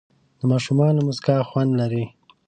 د ماشومانو موسکا خوند لري.